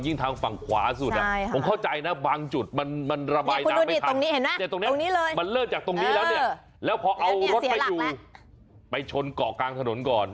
ในบางจุดมันระบายน้ำไม่พักเลือกจากตรงนี้แล้วแล้วพอเอารถไปชนก่อกลางถนนก่อน